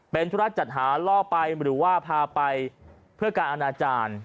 เป็นธุระจัดหาล่อไปหรือว่าพาไปเพื่อการอนาจารย์